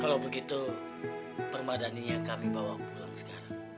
kalau begitu permadani yang kami bawa pulang sekarang